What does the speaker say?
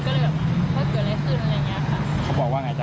ก็เลยแบบเฮ้ยเกิดอะไรขึ้นอะไรอย่างเงี้ยค่ะ